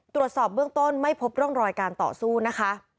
ตรวจสอบเบื้องต้นไม่พบร่องรอยการต่อสู้นะคะ